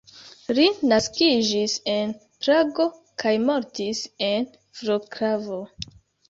Li naskiĝis en Prago kaj mortis en Vroclavo.